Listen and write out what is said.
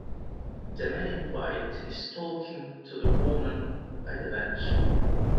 The man in white is talking to the women by the bench.